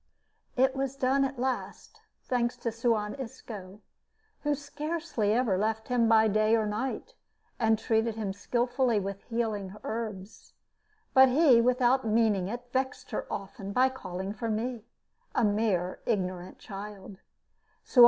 It was done at last, thanks to Suan Isco, who scarcely ever left him by day or night, and treated him skillfully with healing herbs. But he, without meaning it, vexed her often by calling for me a mere ignorant child.